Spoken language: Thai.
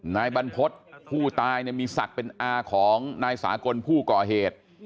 นายบรรพฤษผู้ตายมีศักดิ์เป็นอาของนายสากลผู้ก่อเหตุ